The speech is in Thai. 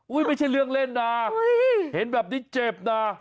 ไม่ใช่เรื่องเล่นนะเห็นแบบนี้เจ็บนะ